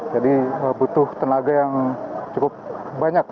jadi butuh tenaga yang cukup banyak